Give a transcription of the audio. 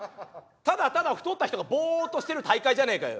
ただただ太った人がぼっとしてる大会じゃねえかよ。